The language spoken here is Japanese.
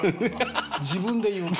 自分で言う？